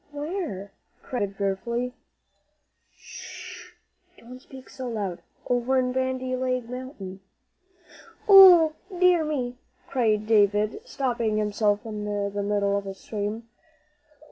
"Where?" cried David, fearfully. "Sh! don't speak so loud. Over in 'Bandy Leg Mountain.'" "Ooh, dear me!" cried David, stopping himself in the middle of a scream.